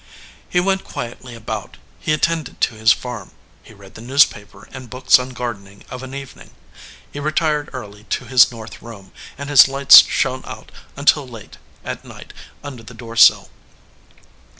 He went quietly about ; he attended to his farm; he read the newspaper and books on gar dening of an evening. He retired early to his north room, and his light shone out until late at night under the door sill.